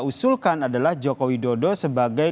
usulkan adalah jokowi dodo sebagai